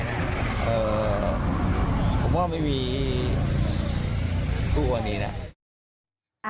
เอ่อผมว่าไม่มีทุกวันนี้นะ